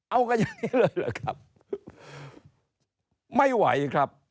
เอากันอย่างนี้เลยเหรอครับไม่ไหวครับ